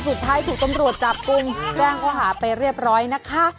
สุดท้ายถูกตำรวจจับกลุ่มแจ้งเขาหาไปเรียบร้อยนะคะ